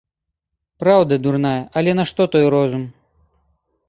Праўда, дурная, але нашто той розум!